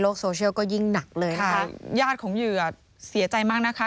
บอกเลยว่าเนี่ยคะ